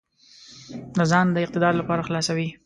د ځان د اقتدار لپاره خلاصوي.